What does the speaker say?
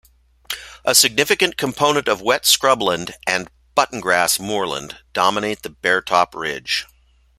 A significant component of wet scrubland and buttongrass moorland dominate the Baretop Ridge.